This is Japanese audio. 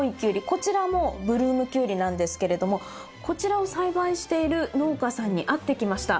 こちらもブルームキュウリなんですけれどもこちらを栽培している農家さんに会ってきました。